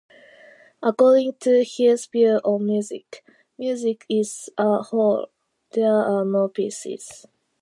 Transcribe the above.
According to his view on music: Music is a whole, there are no pieces.